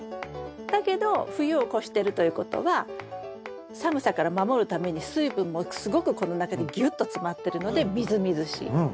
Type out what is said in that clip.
だけど冬を越してるということは寒さから守るために水分もすごくこの中にぎゅっと詰まってるのでみずみずしい。